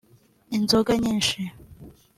Inzoga nyinshi